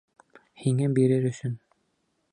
Һиңә бирер өсөн